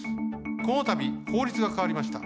このたび法律がかわりました。